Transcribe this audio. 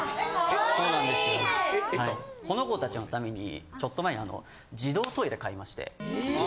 この子たちのためにちょっと前に自動トイレ買いまして。